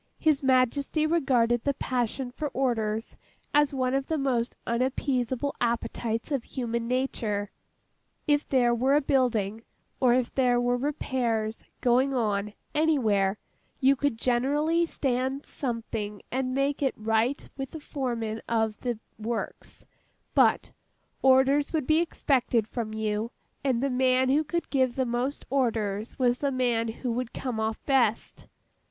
His Majesty regarded the passion for orders, as one of the most unappeasable appetites of human nature. If there were a building, or if there were repairs, going on, anywhere, you could generally stand something and make it right with the foreman of the works; but, orders would be expected from you, and the man who could give the most orders was the man who would come off best.